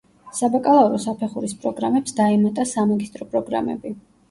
საბაკალავრო საფეხურის პროგრამებს დაემატა სამაგისტრო პროგრამები.